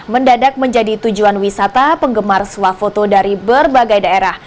mendadak menjadi tujuan wisata penggemar swafoto dari berbagai daerah